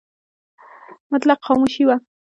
مطلق خاموشي وه .